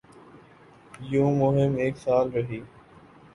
یوں مہم ایک سال رہی۔